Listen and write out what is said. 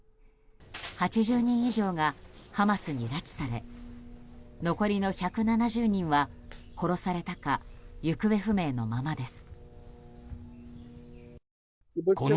８０人以上がハマスに拉致され残りの１７０人は殺されたか行方不明のままです。